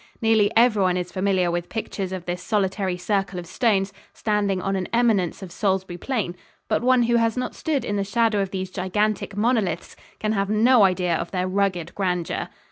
Nearly everyone is familiar with pictures of this solitary circle of stones standing on an eminence of Salisbury Plain, but one who has not stood in the shadow of these gigantic monoliths can have no idea of their rugged grandeur.